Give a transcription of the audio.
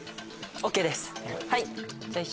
ＯＫです。